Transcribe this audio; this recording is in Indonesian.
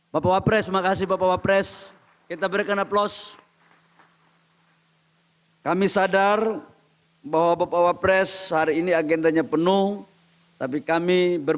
bapak profesor doktor